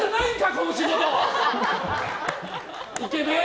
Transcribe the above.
この仕事。